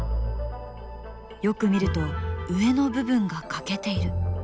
よく見ると上の部分が欠けている。